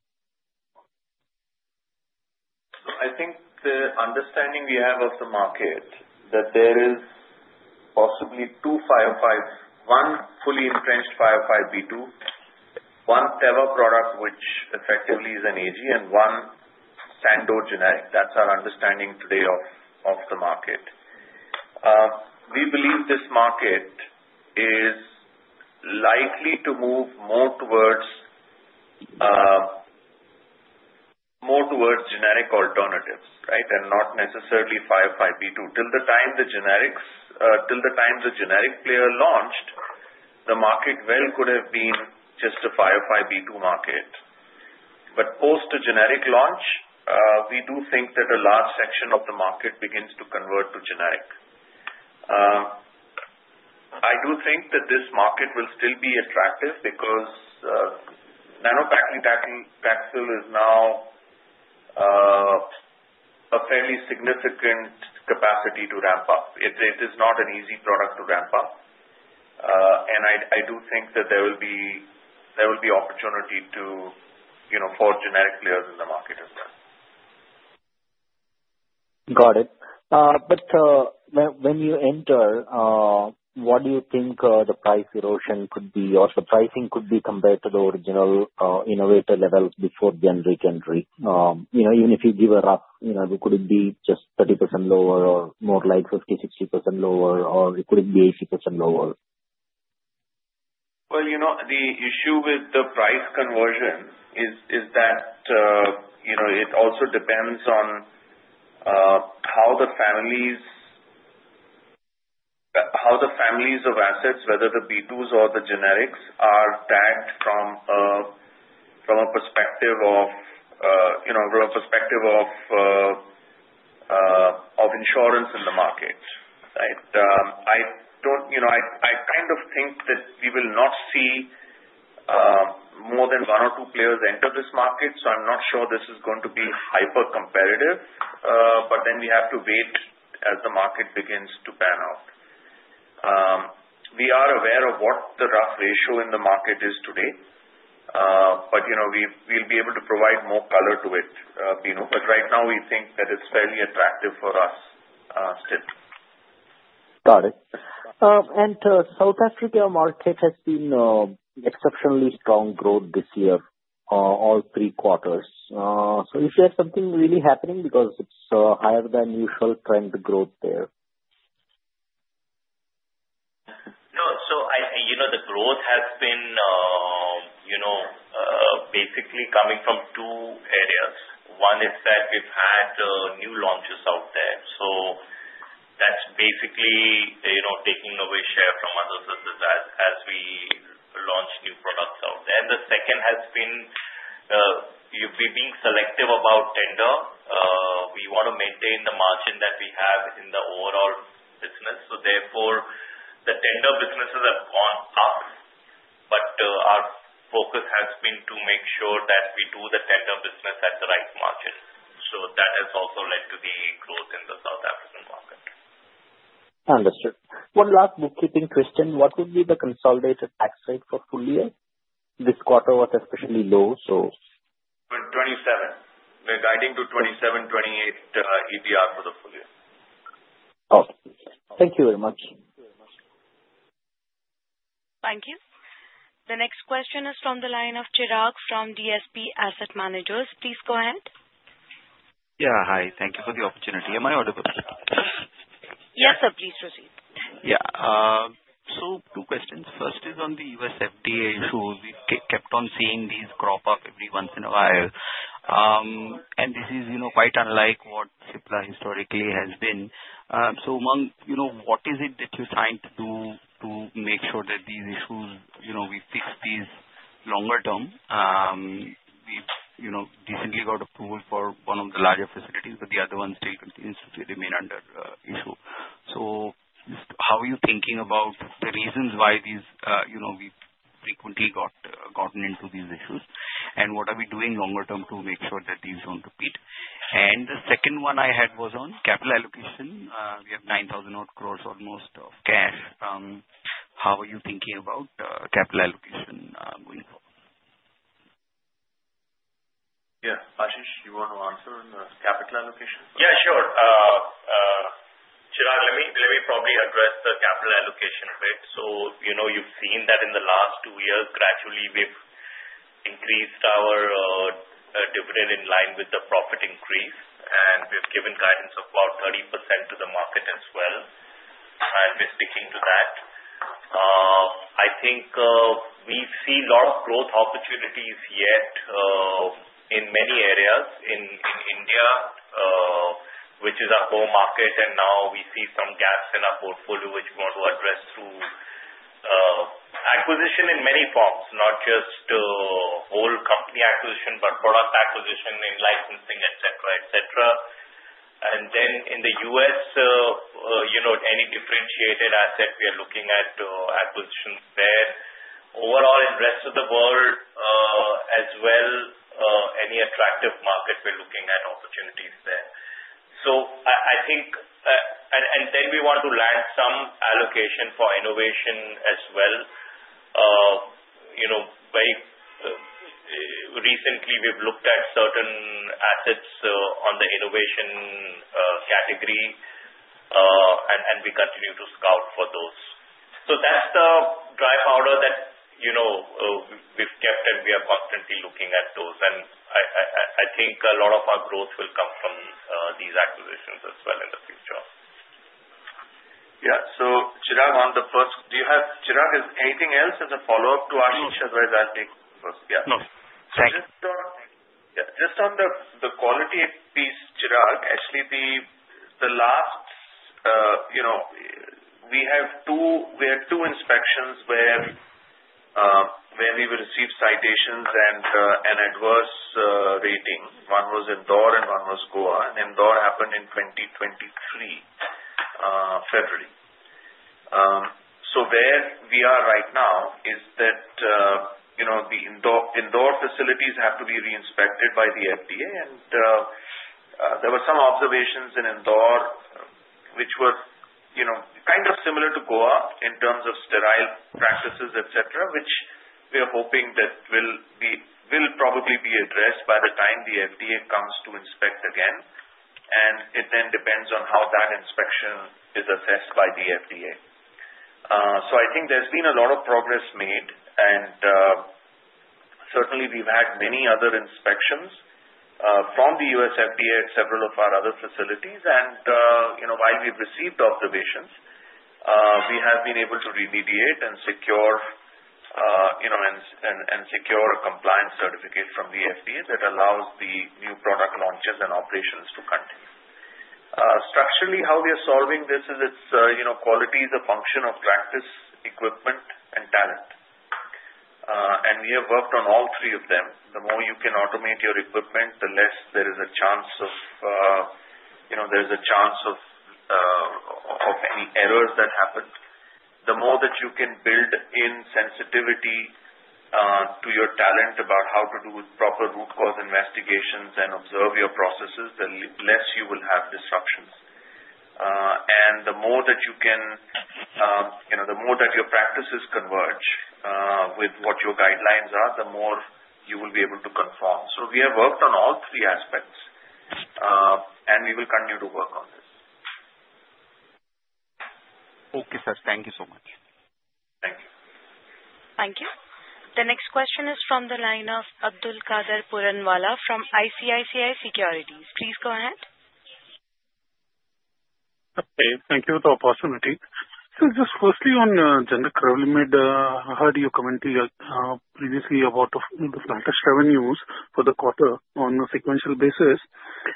I think the understanding we have of the market is that there are possibly two 505(b)(2)s, one fully entrenched 505(b)(2), one Teva product which effectively is an AG, and one Sandoz generic. That's our understanding today of the market. We believe this market is likely to move more towards generic alternatives, right, and not necessarily 505(b)(2). Till the time the generic player launched, the market could have been just a 505(b)(2) market. But post-generic launch, we do think that a large section of the market begins to convert to generic. I do think that this market will still be attractive because Nano Paclitaxel is now a fairly significant capacity to ramp up. It is not an easy product to ramp up. And I do think that there will be opportunity for generic players in the market as well. Got it. But when you enter, what do you think the price erosion could be or the pricing could be compared to the original innovator level before generic entry? Even if you give a rough, could it be just 30% lower or more like 50%-60% lower, or could it be 80% lower? The issue with the price conversion is that it also depends on how the families of assets, whether the B2s or the generics, are tagged from a perspective of insurance in the market, right? I kind of think that we will not see more than one or two players enter this market. So I'm not sure this is going to be hyper-competitive. But then we have to wait as the market begins to pan out. We are aware of what the rough ratio in the market is today. But we'll be able to provide more color to it, Bino. But right now, we think that it's fairly attractive for us still. Got it. And South Africa market has seen exceptionally strong growth this year, all three quarters. So is there something really happening because it's higher than usual trend growth there? No, so the growth has been basically coming from two areas. One is that we've had new launches out there, so that's basically taking away share from other businesses as we launch new products out there, and the second has been we've been selective about tender. We want to maintain the margin that we have in the overall business, so therefore, the tender businesses have gone up, but our focus has been to make sure that we do the tender business at the right margin, so that has also led to the growth in the South African market. Understood. One last bookkeeping question. What would be the consolidated tax rate for full year? This quarter was especially low, so. For 27. We're guiding to 27, 28 ETR for the full year. Okay. Thank you very much. Thank you. The next question is from the line of Chirag Dagli from DSP Asset Managers. Please go ahead. Yeah. Hi. Thank you for the opportunity. Am I audible? Yes, sir. Please proceed. Yeah. So, two questions. First is on the U.S. FDA issues. We've kept on seeing these crop up every once in a while. And this is quite unlike what Cipla historically has been. So Umang, what is it that you're trying to do to make sure that these issues we fix these longer term? We've recently got approval for one of the larger facilities, but the other one still continues to remain under issue. So how are you thinking about the reasons why we've frequently gotten into these issues? And what are we doing longer term to make sure that these don't repeat? And the second one I had was on capital allocation. We have 9,000-odd crore almost of cash. How are you thinking about capital allocation going forward? Yeah. Ashish, you want to answer on the capital allocation? Yeah, sure. Chirag, let me probably address the capital allocation, right? So you've seen that in the last two years, gradually, we've increased our dividend in line with the profit increase. And we've given guidance of about 30% to the market as well. And we're sticking to that. I think we see a lot of growth opportunities yet in many areas in India, which is our core market. And now we see some gaps in our portfolio, which we want to address through acquisition in many forms, not just whole company acquisition, but product acquisition in licensing, etc., etc. And then in the US, any differentiated asset, we are looking at acquisitions there. Overall, in the rest of the world as well, any attractive market, we're looking at opportunities there. So I think and then we want to land some allocation for innovation as well. Very recently, we've looked at certain assets on the innovation category, and we continue to scout for those. So that's the dry powder that we've kept, and we are constantly looking at those. And I think a lot of our growth will come from these acquisitions as well in the future. Yeah. So Chirag, on the first. Do you have Chirag, is anything else as a follow-up to Ashish Adukia? No. Thank you. Just on the quality piece, Chirag, actually, the last we had two inspections where we received citations and adverse rating. One was Indore, and one was Goa. And Indore happened in 2023, February. So where we are right now is that the Indore facilities have to be reinspected by the FDA. And there were some observations in Indore, which were kind of similar to Goa in terms of sterile practices, etc., which we are hoping that will probably be addressed by the time the FDA comes to inspect again. And it then depends on how that inspection is assessed by the FDA. So I think there's been a lot of progress made. And certainly, we've had many other inspections from the US FDA at several of our other facilities. And while we've received observations, we have been able to remediate and secure a compliance certificate from the FDA that allows the new product launches and operations to continue. Structurally, how we are solving this is. Its quality is a function of practice, equipment, and talent. And we have worked on all three of them. The more you can automate your equipment, the less there is a chance of any errors that happen. The more that you can build in sensitivity to your talent about how to do proper root cause investigations and observe your processes, the less you will have disruptions. And the more that your practices converge with what your guidelines are, the more you will be able to conform. So we have worked on all three aspects, and we will continue to work on this. Okay, sir. Thank you so much. Thank you. Thank you. The next question is from the line of Abdul Qadir Puranwala from ICICI Securities. Please go ahead. Okay. Thank you for the opportunity. So just firstly on generic Revlimid, I heard you comment previously about the flat-ish revenues for the quarter on a sequential basis.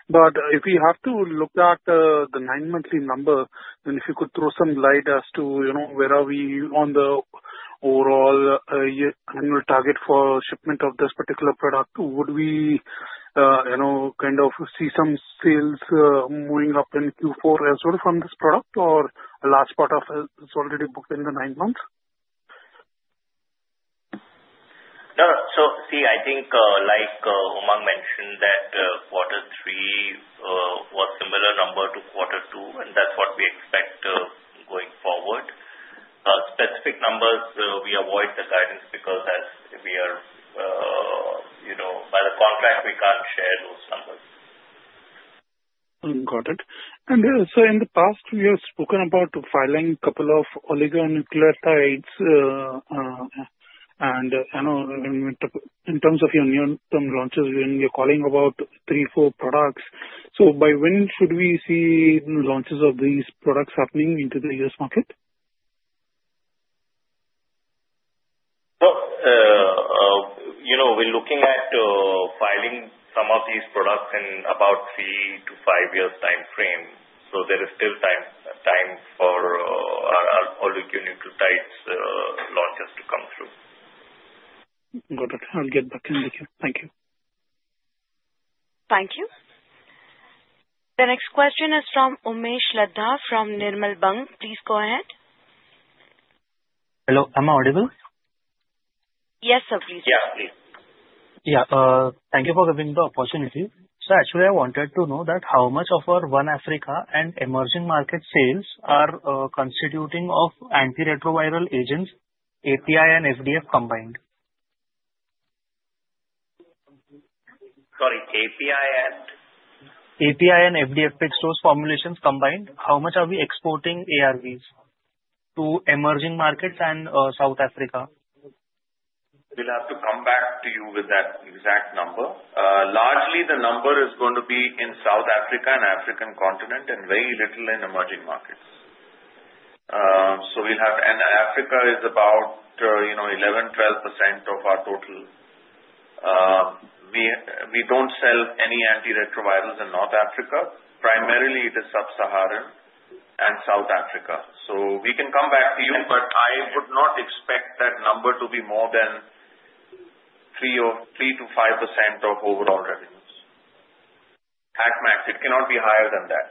But if we have to look at the nine-monthly number, and if you could throw some light as to where are we on the overall annual target for shipment of this particular product, would we kind of see some sales moving up in Q4 as well from this product, or a large part of it is already booked in the nine months? No, so see, I think, like Umang mentioned, that quarter three was a similar number to quarter two, and that's what we expect going forward. Specific numbers, we avoid the guidance because as we are by the contract, we can't share those numbers. Got it. And so in the past, we have spoken about filing a couple of oligonucleotides. And in terms of your near-term launches, you're calling about three, four products. So by when should we see launches of these products happening into the U.S. market? We're looking at filing some of these products in about three to five years' time frame. There is still time for oligonucleotide launches to come through. Got it. I'll get back in with you. Thank you. Thank you. The next question is from Umesh Laddha from Nirmal Bang. Please go ahead. Hello. Am I audible? Yes, sir. Please. Yeah, please. Yeah. Thank you for giving the opportunity. So actually, I wanted to know that how much of our One Africa and emerging market sales are constituting of antiretroviral agents, API and FDF combined? Sorry. API and? API and FDF fixed dose formulations combined, how much are we exporting ARVs to emerging markets and South Africa? We'll have to come back to you with that exact number. Largely, the number is going to be in South Africa and African continent and very little in emerging markets. So Africa is about 11-12% of our total. We don't sell any antiretrovirals in North Africa. Primarily, it is sub-Saharan and South Africa. So we can come back to you, but I would not expect that number to be more than 3-5% of overall revenues. At max, it cannot be higher than that.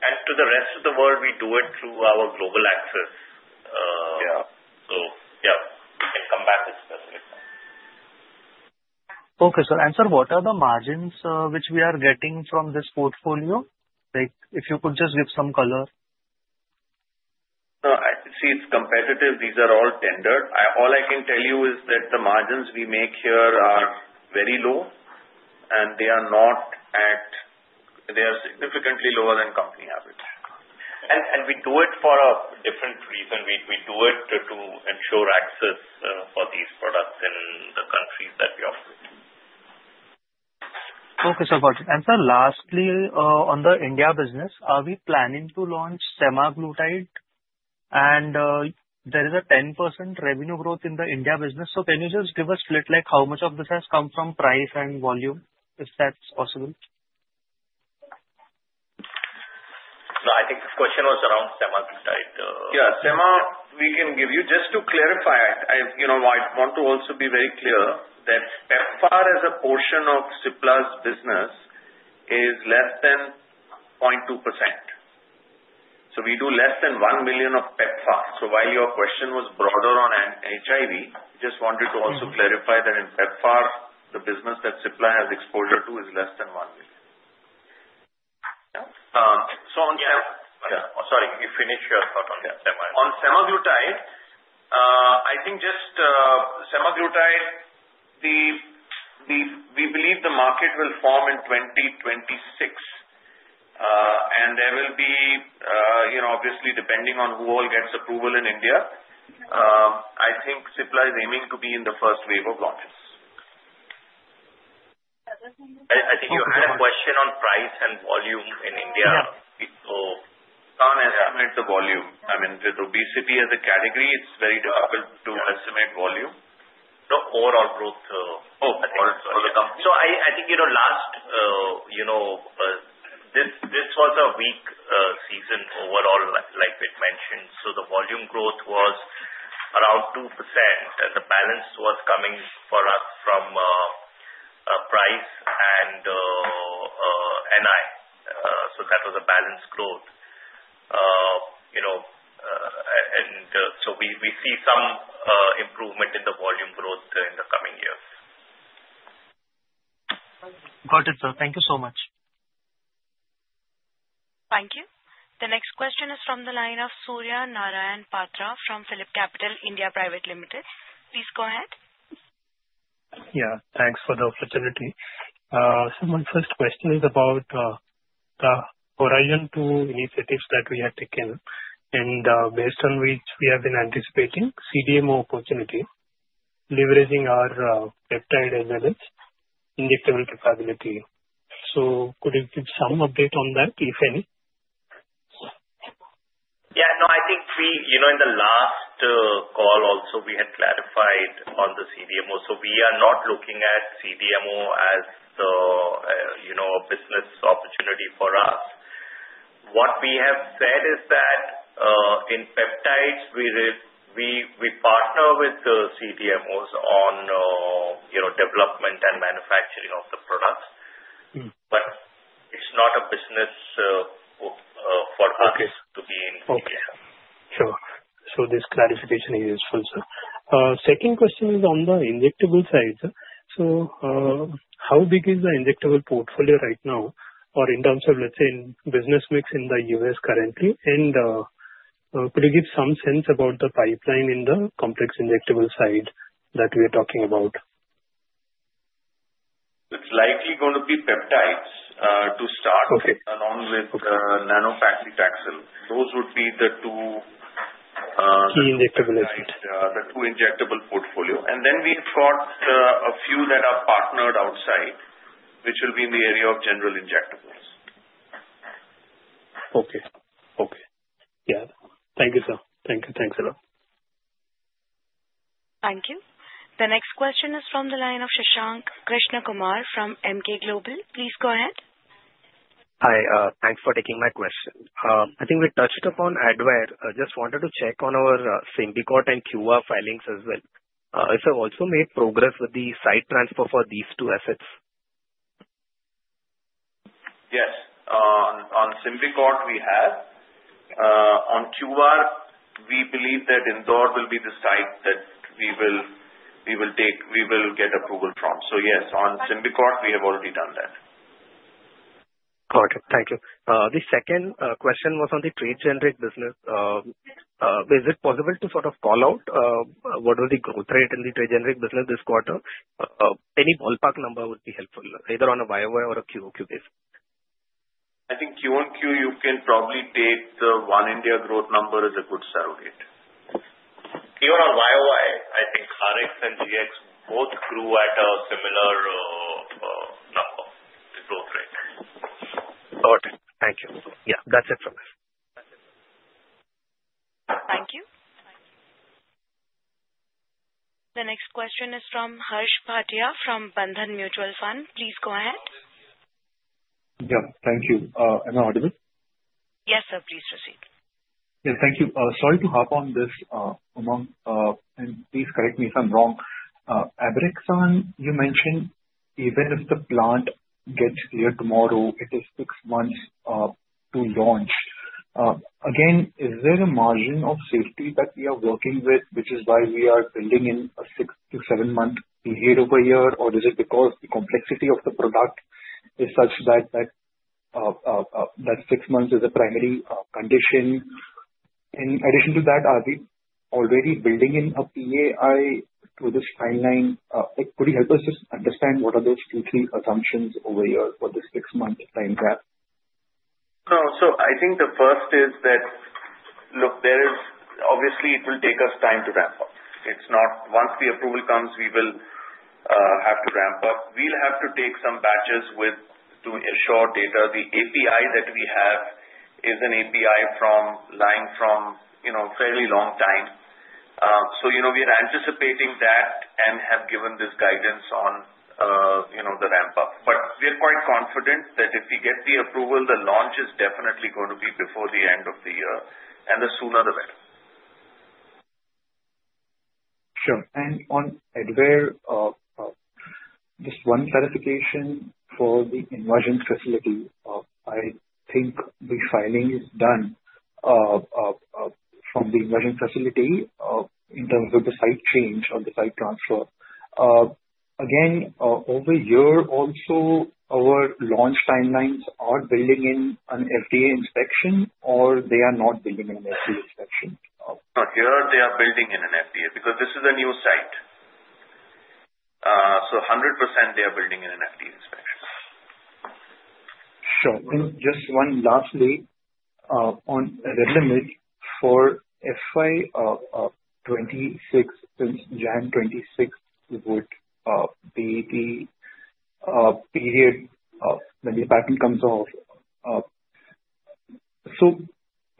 And to the rest of the world, we do it through our global access. So yeah, I can come back to specific numbers. Okay, so answer what are the margins which we are getting from this portfolio? If you could just give some color. See, it's competitive. These are all tender. All I can tell you is that the margins we make here are very low, and they are not at all. They are significantly lower than company average, and we do it for a different reason. We do it to ensure access for these products in the countries that we operate in. Okay. So got it. And so lastly, on the India business, are we planning to launch Semaglutide? And there is a 10% revenue growth in the India business. So can you just give a split how much of this has come from price and volume, if that's possible? No. I think the question was around semaglutide. Yeah. Sema, we can give you. Just to clarify, I want to also be very clear that PEPFAR, as a portion of Cipla's business, is less than 0.2%. So we do less than one million of PEPFAR. So while your question was broader on HIV, I just wanted to also clarify that in PEPFAR, the business that Cipla has exposure to is less than one million. So on semaglutide. Sorry. You finish your thought on semaglutide. On semaglutide, we believe the market will form in 2026. And there will be, obviously, depending on who all gets approval in India, I think Cipla is aiming to be in the first wave of launches. I think you had a question on price and volume in India. So we can't estimate the volume. I mean, with obesity as a category, it's very difficult to estimate volume, the overall growth, I think, so I think last, this was a weak season overall, like we mentioned, so the volume growth was around 2%, and the balance was coming for us from price and NI, so that was a balanced growth, and so we see some improvement in the volume growth in the coming years. Got it, sir. Thank you so much. Thank you. The next question is from the line of Surya Narayan Patra from Phillip Capital India Private Limited. Please go ahead. Yeah. Thanks for the opportunity. So my first question is about the Horizon 2 initiatives that we have taken and based on which we have been anticipating CDMO opportunity, leveraging our peptide as well as injectable capability. So could you give some update on that, if any? Yeah. No, I think in the last call, also, we had clarified on the CDMO. So we are not looking at CDMO as a business opportunity for us. What we have said is that in peptides, we partner with the CDMOs on development and manufacturing of the products. But it's not a business for us to be in. Okay. Sure. So this clarification is useful, sir. Second question is on the injectable side. So how big is the injectable portfolio right now, or in terms of, let's say, business mix in the US currently? And could you give some sense about the pipeline in the complex injectable side that we are talking about? It's likely going to be peptides to start along with nano paclitaxel. Those would be the two. Key injectable side. The two injectable portfolio, and then we've got a few that are partnered outside, which will be in the area of general injectables. Okay. Yeah. Thank you, sir. Thank you. Thanks a lot. Thank you. The next question is from the line of Shashank Krishnakumar from Emkay Global. Please go ahead. Hi. Thanks for taking my question. I think we touched upon Advair. I just wanted to check on our Symbicort and QVAR filings as well. Have they also made progress with the site transfer for these two assets? Yes. On Symbicort, we have. On QVAR, we believe that Indore will be the site that we will get approval from. So yes, on Symbicort, we have already done that. Got it. Thank you. The second question was on the trade-generic business. Is it possible to sort of call out what was the growth rate in the trade-generic business this quarter? Any ballpark number would be helpful, either on a YOY or a QOQ basis. I think QoQ, you can probably take the One India growth number as a good surrogate. Even on YOY, I think Rx and Gx both grew at a similar number, the growth rate. Got it. Thank you. Yeah. That's it from us. Thank you. The next question is from Harsh Bhatia from Bandhan Mutual Fund. Please go ahead. Yeah. Thank you. Am I audible? Yes, sir. Please proceed. Yeah. Thank you. Sorry to hop on this, and please correct me if I'm wrong. Abraxane, you mentioned even if the plant gets clear tomorrow, it is six months to launch. Again, is there a margin of safety that we are working with, which is why we are building in a six- to seven-month period over a year? Or is it because the complexity of the product is such that that six months is a primary condition? In addition to that, are we already building in a PAI to this timeline? Could you help us just understand what are those two, three assumptions over a year for this six-month time gap? No. So I think the first is that, look, obviously, it will take us time to ramp up. Once the approval comes, we will have to ramp up. We'll have to take some batches to ensure data. The API that we have is an API lying from a fairly long time. So we are anticipating that and have given this guidance on the ramp-up. But we are quite confident that if we get the approval, the launch is definitely going to be before the end of the year. And the sooner, the better. Sure. And on Advair, just one clarification for the Indore facility. I think the filing is done from the Indore facility in terms of the site change or the site transfer. Again, over a year, also, our launch timelines are building in an FDA inspection, or they are not building in an FDA inspection? Not here. They are building in an FDA because this is a new site. So 100%, they are building in an FDA inspection. Sure. And just one last thing. On revenue, for FY26, since January 2026 would be the period when the patent comes off. So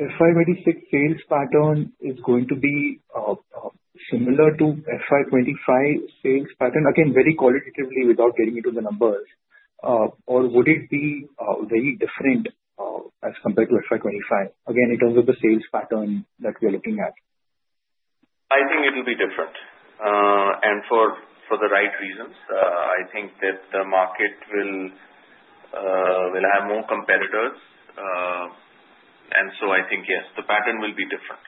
FY26 sales pattern is going to be similar to FY25 sales pattern, again, very qualitatively without getting into the numbers? Or would it be very different as compared to FY25, again, in terms of the sales pattern that we are looking at? I think it will be different, and for the right reasons. I think that the market will have more competitors, and so I think, yes, the pattern will be different.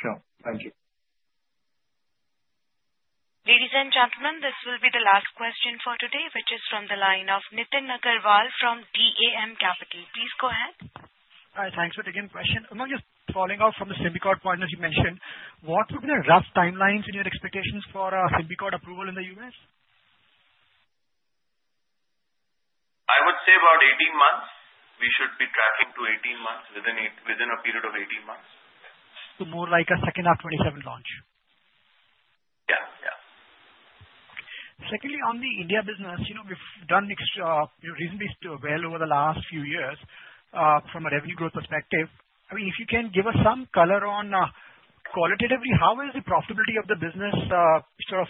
Sure. Thank you. Ladies and gentlemen, this will be the last question for today, which is from the line of Nitin Agarwal from DAM Capital. Please go ahead. Hi. Thanks for taking the question. Among your falling off from the Symbicort partners you mentioned, what would be the rough timelines and your expectations for Symbicort approval in the U.S.? I would say about 18 months. We should be tracking to 18 months, within a period of 18 months. More like a second FY27 launch? Yeah. Yeah. Secondly, on the India business, we've done reasonably well over the last few years from a revenue growth perspective. I mean, if you can give us some color, qualitatively, how has the profitability of the business sort of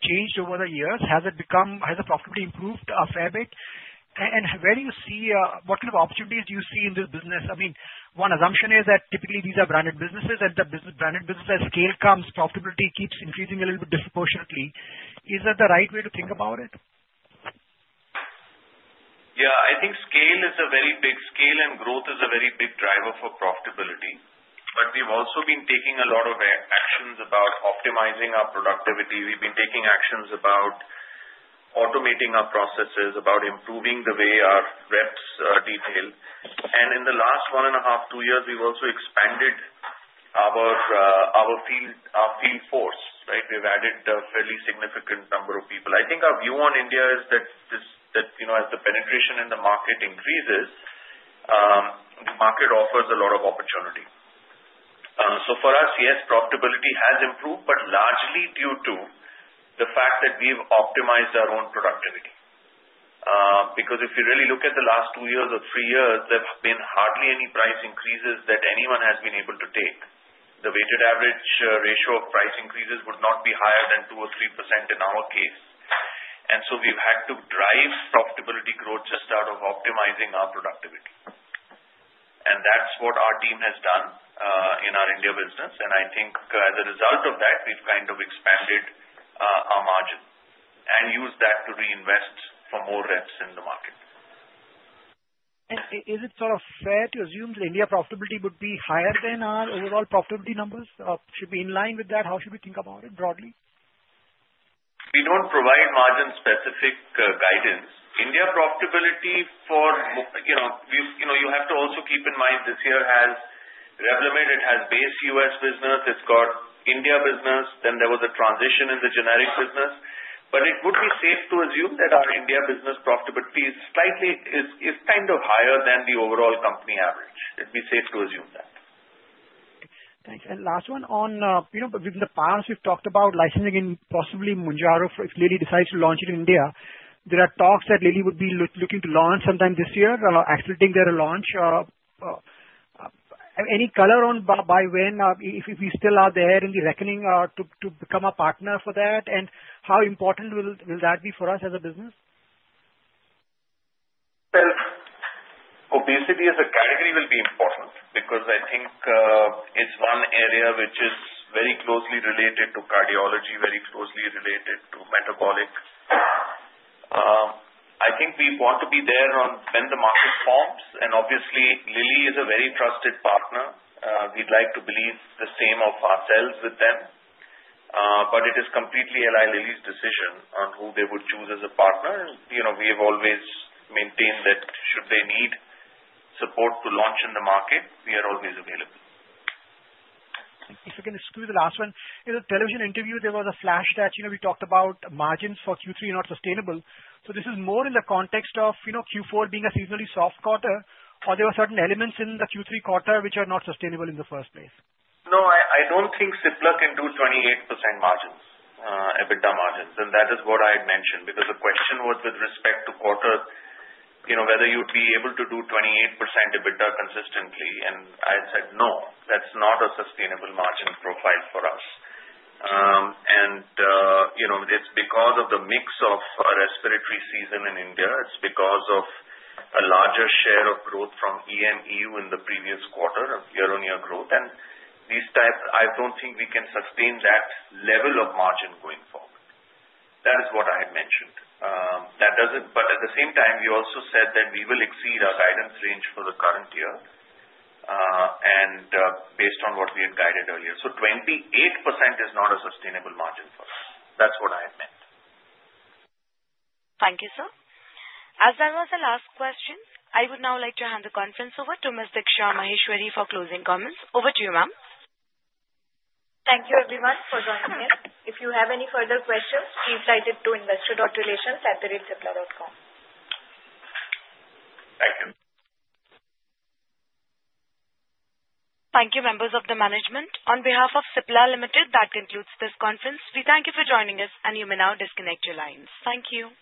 changed over the years? Has the profitability improved a fair bit, and where do you see what kind of opportunities do you see in this business? I mean, one assumption is that typically these are branded businesses, and the branded business, as scale comes, profitability keeps increasing a little bit disproportionately. Is that the right way to think about it? Yeah. I think scale is a very big scale, and growth is a very big driver for profitability. But we've also been taking a lot of actions about optimizing our productivity. We've been taking actions about automating our processes, about improving the way our reps are detailed. And in the last one and a half, two years, we've also expanded our field force, right? We've added a fairly significant number of people. I think our view on India is that as the penetration in the market increases, the market offers a lot of opportunity. So for us, yes, profitability has improved, but largely due to the fact that we've optimized our own productivity. Because if you really look at the last two years or three years, there have been hardly any price increases that anyone has been able to take. The weighted average ratio of price increases would not be higher than 2% or 3% in our case. And so we've had to drive profitability growth just out of optimizing our productivity. And that's what our team has done in our India business. And I think as a result of that, we've kind of expanded our margin and used that to reinvest for more reps in the market. And is it sort of fair to assume that India profitability would be higher than our overall profitability numbers? Should we be in line with that? How should we think about it broadly? We don't provide margin-specific guidance. India profitability for you have to also keep in mind this year has Revlimid, it has base U.S. business, it's got India business, then there was a transition in the generic business. But it would be safe to assume that our India business profitability is slightly kind of higher than the overall company average. It'd be safe to assume that. Thanks. And last one, on the paths we've talked about, licensing in possibly Mounjaro, if Lilly decides to launch it in India, there are talks that Lilly would be looking to launch sometime this year, accelerating their launch. Any color on by when if we still are there in the reckoning to become a partner for that? And how important will that be for us as a business? Obesity as a category will be important because I think it's one area which is very closely related to cardiology, very closely related to metabolic. I think we want to be there when the market forms. And obviously, Lilly is a very trusted partner. We'd like to believe the same of ourselves with them. But it is completely Eli Lilly's decision on who they would choose as a partner. We have always maintained that should they need support to launch in the market, we are always available. If I can exclude the last one, in the television interview, there was a flash that we talked about margins for Q3 not sustainable. So this is more in the context of Q4 being a seasonally soft quarter, or there were certain elements in the Q3 quarter which are not sustainable in the first place? No, I don't think Cipla can do 28% margins, EBITDA margins. And that is what I had mentioned because the question was with respect to quarter, whether you'd be able to do 28% EBITDA consistently. And I had said, "No, that's not a sustainable margin profile for us." And it's because of the mix of respiratory season in India. It's because of a larger share of growth from EMEU in the previous quarter, year-on-year growth. And these types, I don't think we can sustain that level of margin going forward. That is what I had mentioned. But at the same time, we also said that we will exceed our guidance range for the current year based on what we had guided earlier. So 28% is not a sustainable margin for us. That's what I had meant. Thank you, sir. As that was the last question, I would now like to hand the conference over to Ms. Diksha Maheshwari for closing comments. Over to you, ma'am. Thank you, everyone, for joining in. If you have any further questions, please write it to investor.relations@cipla.com. Thank you. Thank you, members of the management. On behalf of Cipla Limited, that concludes this conference. We thank you for joining us, and you may now disconnect your lines. Thank you.